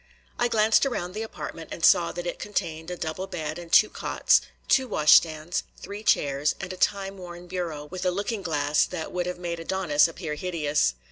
I glanced around the apartment and saw that it contained a double bed and two cots, two wash stands, three chairs, and a time worn bureau, with a looking glass that would have made Adonis appear hideous.